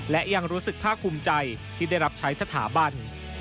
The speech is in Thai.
ยังรู้สึกพลาดคุมใจที่ได้รับใช้สถาบัน